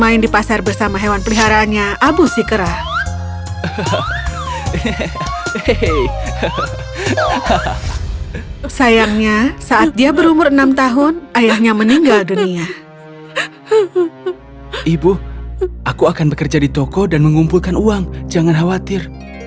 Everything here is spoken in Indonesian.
ibu aku akan bekerja di toko dan mengumpulkan uang jangan khawatir